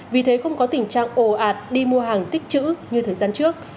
vì thế không có tình trạng ồ ạt đi mua hàng tích chữ như thời gian trước